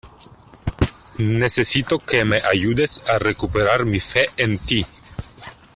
necesito que me ayudes a recuperar mi fe en ti.